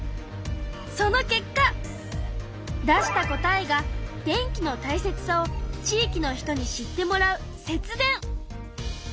その結果出した答えが電気のたいせつさを「地域の人に知ってもらう節電」。